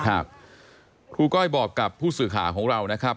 ครูก้อยบอกกับผู้สื่อข่าวของเรานะครับ